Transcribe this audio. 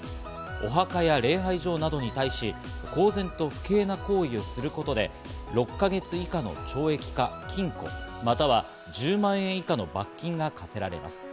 お墓や礼拝所などに対し、公然と不敬な行為をすることで、６か月以下の懲役か禁錮、または１０万円以下の罰金が科せられます。